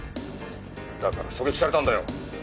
だから狙撃されたんだよ！